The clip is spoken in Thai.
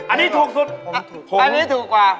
อันนี้ถูกนี้ถูกกว่า